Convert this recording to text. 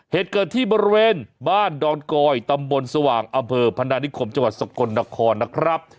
เหตุเกิดที่บริเวณบ้านดอนกอยตำบลสว่างอำเภอพนานิคมจังหวัดสกลนครนะครับ